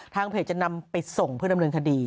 เพจจะนำไปส่งเพื่อดำเนินคดี